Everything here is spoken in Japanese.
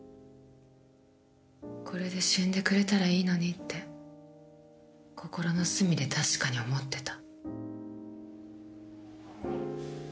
これで死んでくれたらいいのにって心の隅で確かに思ってた。